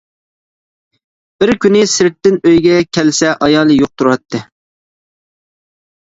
بىر كۈنى سىرتتىن ئۆيگە كەلسە ئايالى يوق تۇراتتى.